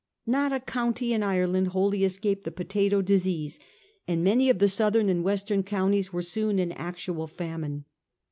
Not a county in Ireland wholly escaped the potato disease, and many of the southern and western counties were soon in actual famine.